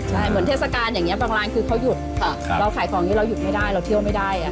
ใช่เหมือนเทศกาลอย่างนี้บางร้านคือเขาหยุดเราขายของอย่างนี้เราหยุดไม่ได้เราเที่ยวไม่ได้